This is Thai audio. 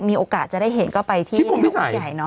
มีโอกาสจะได้เห็นก็ไปที่วัดใหญ่เนอ